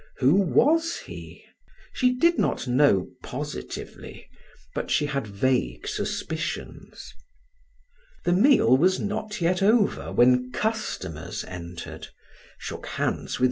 Who was he? She did not know positively, but she had vague suspicions. The meal was not yet over when customers entered, shook hands with M.